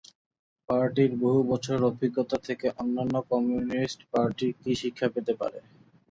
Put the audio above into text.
পার্টির বহু বছরের অভিজ্ঞতা থেকে অন্যান্য কমিউনিস্ট পার্টি কী শিক্ষা পেতে পারে।